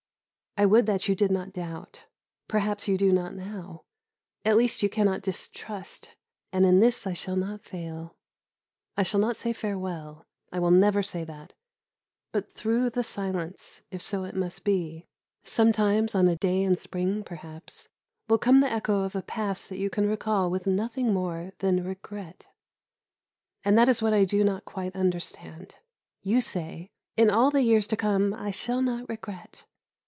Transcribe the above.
I would you did not doubt, perhaps you do not now; at least you cannot distrust, and in this I shall not fail. I shall not say farewell. I will never say that; but through the silence, if so it must be, sometimes, on a day in spring, perhaps, will come the echo of a past that you can recall with nothing more than regret. And that is what I do not quite understand. You say, "In all the years to come I shall not regret."